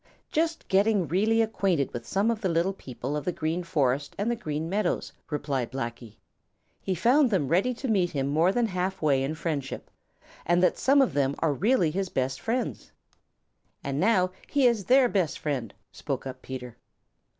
"Just getting really acquainted with some of the little people of the Green Forest and the Green Meadows," replied Blacky. "He found them ready to meet him more than halfway in friendship and that some of them really are his best friends." "And now he is their best friend," spoke up Peter.